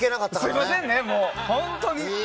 すみませんね、本当に。